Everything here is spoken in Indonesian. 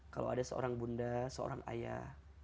kalau ada seorang bunda seorang ayah